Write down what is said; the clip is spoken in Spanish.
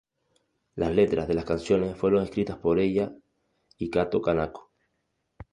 Las letras de las canciones fueron escritas por ella y Kato Kanako.